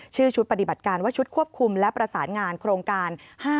ชื่อชุดปฏิบัติการว่าชุดควบคุมและประสานงานโครงการ๕๗